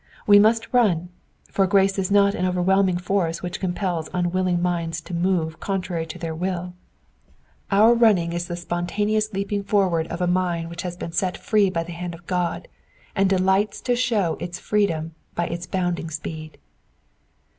We must run ; for grace is not an overwhelming force which compels unwilling minds to move contrary to their will : our running is the spontaneous Digitized by VjOOQIC 74 EXPOSITIONS OF THE PSALMS. leaping forward of a min4 which has been set free by the hand of God, and delights to show its freedom by its bounding speed.